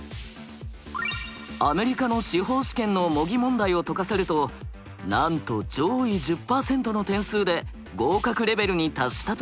アメリカの司法試験の模擬問題を解かせるとなんと上位１０％の点数で合格レベルに達したといいます。